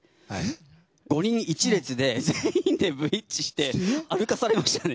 ５人１列で全員でブリッジして歩かされましたね。